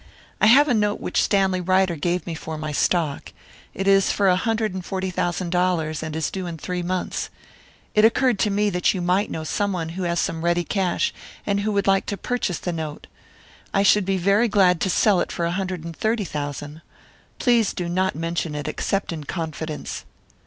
I have a note which Stanley Ryder gave me for my stock. It is for a hundred and forty thousand dollars, and is due in three months. It occurred to me that you might know someone who has some ready cash, and who would like to purchase the note. I should be very glad to sell it for a hundred and thirty thousand. Please do not mention it except in confidence."